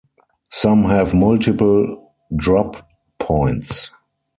Some have multiple drop points.